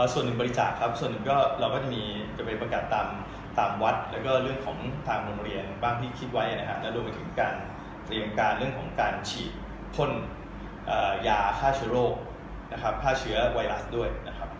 ส่วนหนึ่งบริจาคครับส่วนหนึ่งก็เราก็จะมีจะไปประกาศตามวัดแล้วก็เรื่องของทางโรงเรียนบ้างที่คิดไว้นะครับแล้วรวมไปถึงการเตรียมการเรื่องของการฉีดพ่นยาฆ่าเชื้อโรคนะครับฆ่าเชื้อไวรัสด้วยนะครับ